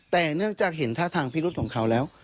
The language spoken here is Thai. แต่เนื่องจากเห็นท่าทางพิรุษของเขาแล้ว